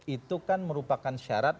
itu kan merupakan syarat